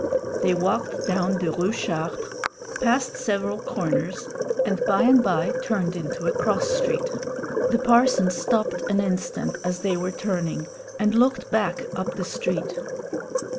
They walked down the Rue Chartres, passed several corners, and by and by turned into a cross street. The parson stopped an instant as they were turning, and looked back up the street.